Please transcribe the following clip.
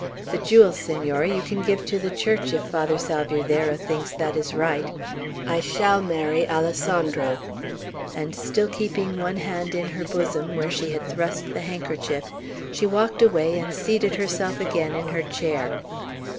The jewels, Senora, you can give to the Church, if Father Salvierderra thinks that is right. I shall marry Alessandro;" and still keeping one hand in her bosom where she had thrust the handkerchief, she walked away and seated herself again in her chair.